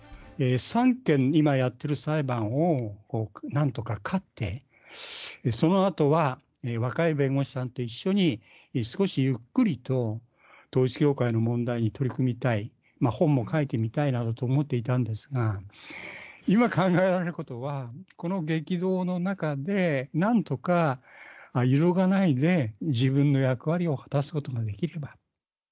３件、今やってる裁判をなんとか勝って、そのあとは、若い弁護士さんと一緒に少しゆっくりと、統一教会の問題に取り組みたい、本も書いてみたいなどと思っていたんですが、今考えられることは、この激動の中で、なんとか揺るがないで、自分の役割を果たすことができれば。